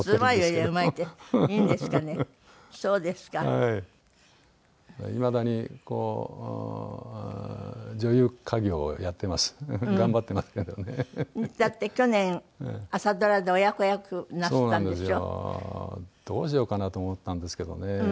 どうしようかなと思ったんですけどね。